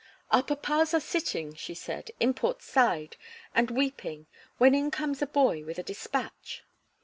"Our papas are sitting," she said, "in Port Said and weeping, when in comes a boy with a despatch.